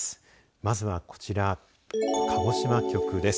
まずはこちら鹿児島局です。